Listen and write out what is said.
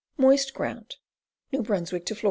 Moist ground. New Bruns. to Fla.